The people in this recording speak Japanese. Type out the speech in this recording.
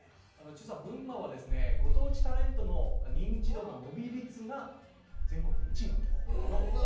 実は群馬はですね、ご当地タレントの認知度の伸び率が全国で１位なんです。